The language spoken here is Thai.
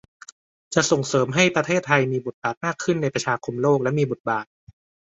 จะส่งเสริมให้ประเทศไทยมีบทบาทมากขึ้นในประชาคมโลกและมีบทบาท